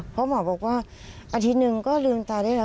เพราะหมอบอกว่าอาทิตย์หนึ่งก็ลืมตาได้แล้ว